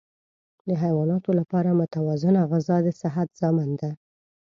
د حیواناتو لپاره متوازنه غذا د صحت ضامن ده.